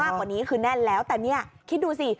กว่านี้คือแน่นแล้วแต่เนี่ยคิดดูสิ